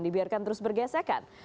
dibiarkan terus bergesekan